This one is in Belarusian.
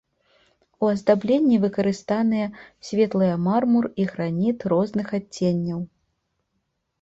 У аздабленні выкарыстаныя светлыя мармур і граніт розных адценняў.